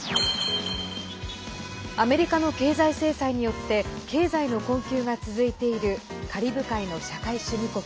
アメリカの経済制裁によって経済の困窮が続いているカリブ海の社会主義国